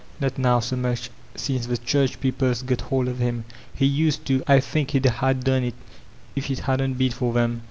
"Not now so much, since the church people's got hold of him. He used to; I think he'd a done it if it hadn't been for them.